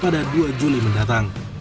pada dua juli mendatang